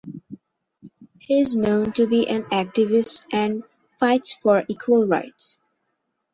He is known to be an activist and fights for equal rights.